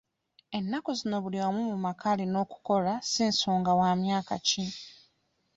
Ennaku zino buli omu mu maka alina okukola si nsonga wa myaka ki?